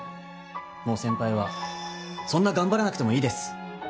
もう先輩はそんな頑張らなくてもいいです。